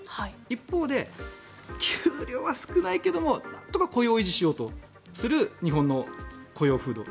一方で、給料は少ないけどなんとか雇用を維持しようとする日本の雇用風土。